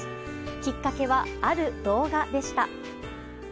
きっかけは、ある動画でした。